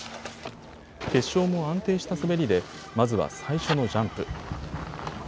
決勝も安定した滑りでまずは最初のジャンプ。